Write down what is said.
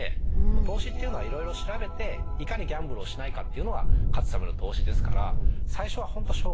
投資っていうのはいろいろ調べていかにギャンブルをしないかが勝つための投資ですから。